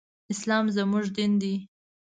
اسلام زموږ دين دی